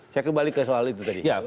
saya kembali ke soal itu tadi